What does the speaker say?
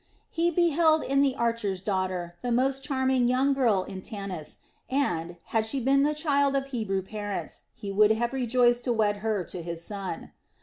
He beheld in the archer's daughter the most charming young girl in Tanis and, had she been the child of Hebrew parents, he would have rejoiced to wed her to his son.